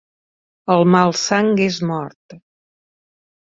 En Malsang és mort!